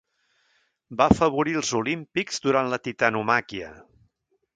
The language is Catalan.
Va afavorir els Olímpics durant la Titanomàquia.